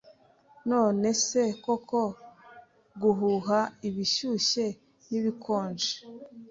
Nonese koko guhuha ibishyushye n'ibikonje